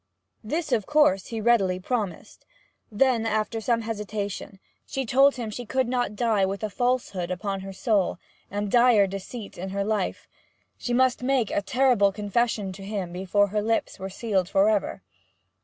This, of course, he readily promised. Then, after some hesitation, she told him that she could not die with a falsehood upon her soul, and dire deceit in her life; she must make a terrible confession to him before her lips were sealed for ever.